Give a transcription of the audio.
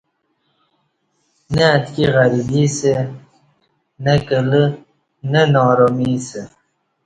نہ اتکی غریبی اسہ نہ کلہ نہ نارامی اسہ